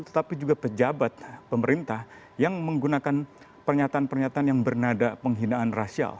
tetapi juga pejabat pemerintah yang menggunakan pernyataan pernyataan yang bernada penghinaan rasial